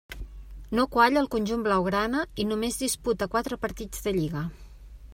No qualla al conjunt blaugrana, i només disputa quatre partits de Lliga.